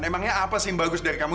emangnya apa sih yang bagus dari kamu